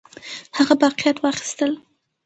هغه باقیات واخیستل.